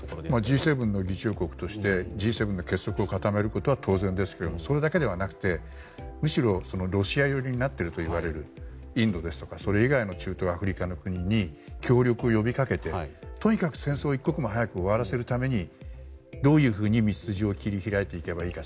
Ｇ７の議長国としてＧ７が結束を固めることは当然ですが、それだけではなくてむしろロシア寄りになっているといわれるインドやそれ以外の中東やアフリカの国に協力を呼び掛けてとにかく戦争を一刻も早く終わらせるためにどういうふうに道筋を切り開いていけばいいか